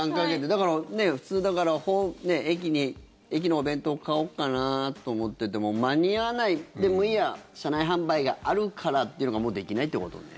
だから普通、駅のお弁当買おうかなと思ってても間に合わない、でもいいや車内販売があるからというのがもうできないってことね。